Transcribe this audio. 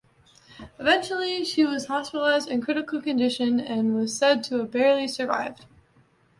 Eventually, she was hospitalized in critical condition and was said to have barely survived.